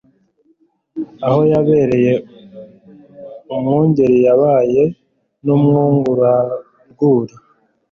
Aho yabereye umwungeri yabaye n' umwungurarwuri